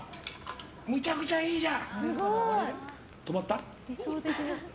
めちゃくちゃいいじゃん！